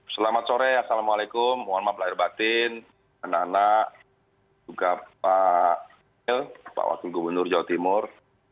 selamat sore assalamualaikum wakil gubernur jawa timur